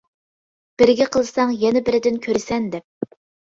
بىرگە قىلساڭ يەنە بىرىدىن كۆرىسەن دەپ.